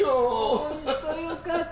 本当よかった